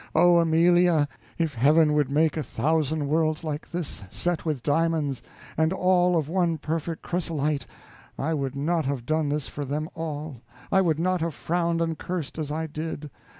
Oh, Amelia! if Heaven would make a thousand worlds like this, set with diamonds, and all of one perfect chrysolite, I would not have done this for them all, I would not have frowned and cursed as I did.